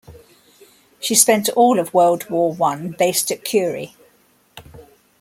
She spent all of World War One based at Kure.